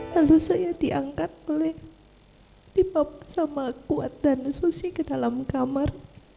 lalu saya diangkat oleh tipe sama kuat dan susi ke dalam kamar